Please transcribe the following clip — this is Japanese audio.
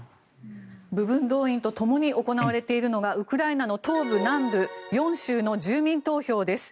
部分動員とともに行われているのがウクライナの東部、南部４州の住民投票です。